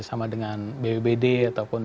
sama dengan bbbd ataupun